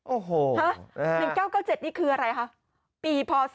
โอ้โฮนะครับ๑๙๙๗นี่คืออะไรครับ